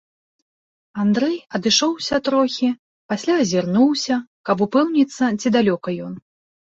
Андрэй адышоўся трохі, пасля азірнуўся, каб упэўніцца, ці далёка ён.